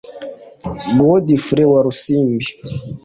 Godfrey Walusimbi